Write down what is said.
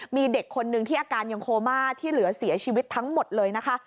มีเด็กคนนึงที่อาการยังโคม่าที่เหลือเสียชีวิตทั้งหมดเลยนะคะ